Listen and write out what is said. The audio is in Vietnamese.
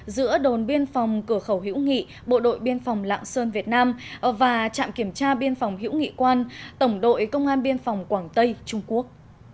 giữa đồn biên phòng cửa khẩu hữu nghị bộ đội biên phòng lạng sơn việt nam và trạm kiểm tra biên phòng hữu nghị quan tổng đội công an biên phòng quảng tây trung quốc